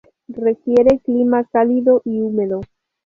Requiere clima cálido y húmedo.